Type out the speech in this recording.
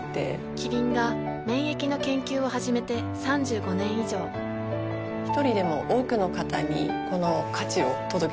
キリンが免疫の研究を始めて３５年以上一人でも多くの方にこの価値を届けていきたいと思っています。